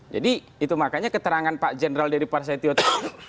jadi itu makanya keterangan pak jenderal dari parsetiota